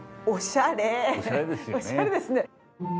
おしゃれですよね。